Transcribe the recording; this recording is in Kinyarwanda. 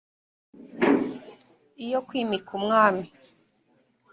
iyo kwimika umwami